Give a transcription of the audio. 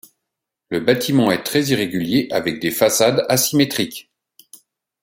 Le bâtiment est très irrégulier avec des façades asymétriques.